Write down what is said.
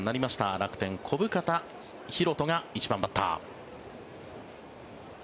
楽天、小深田大翔が１番バッター。